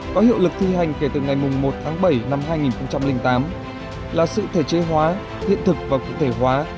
có hiệu lực thi hành kể từ ngày một tháng bảy năm hai nghìn tám là sự thể chế hóa hiện thực và cụ thể hóa